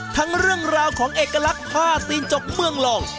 เรื่องราวของเอกลักษณ์ผ้าตีนจกเมืองลอง